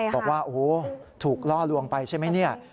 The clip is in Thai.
บอกว่าโอ้โหถูกล่อลวงไปใช่ไหมเนี่ย